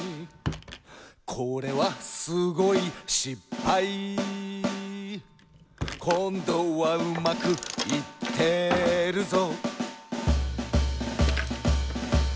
「これはすごいしっぱい」「こんどはうまくいってるぞ」